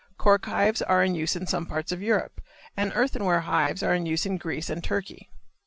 Cork hives are in use in some parts of Europe, and earthenware hives are in use in Greece and Turkey.